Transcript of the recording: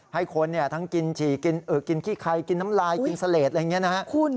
ให้คนทั้งกินขี้ไข่กินน้ำลายกินเสลดอะไรอย่างนี้นะ